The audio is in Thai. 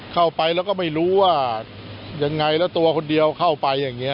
เข้าไปแล้วก็ไม่รู้ว่ายังไงแล้วตัวคนเดียวเข้าไปอย่างนี้